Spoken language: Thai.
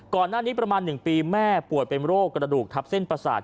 ก่อนหน้านี้ประมาณ๑ปีแม่ป่วยเป็นโรคกระดูกทับเส้นประสาท